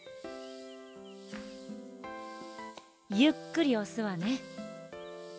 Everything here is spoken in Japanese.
ゆっくりおすわね。